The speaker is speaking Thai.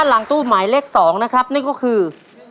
หลังตู้หมายเลข๒ก็คือ